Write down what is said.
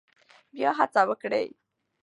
بیا هڅه وکړئ.